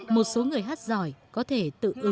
một số người hát giỏi có thể tự hào lực bát vào lời hát trước